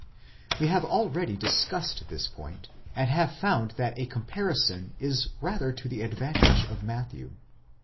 We have already discussed this point, and have found that a comparison is rather to the advantage of Matthew.